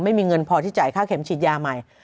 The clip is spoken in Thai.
ไม่มีเงินพอที่จ่ายค่าเข็มฉีดยาใหม่